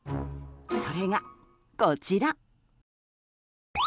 それがこちら。